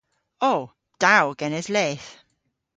O. Da o genes leth.